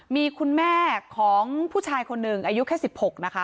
มีคุณแม่ของผู้ชายคนหนึ่งอายุแค่๑๖นะคะ